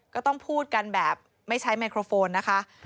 ก็ต้องพูดกันแบบไม่ใช้ไมโครโฟนนะคะ